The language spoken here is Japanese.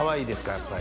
やっぱり。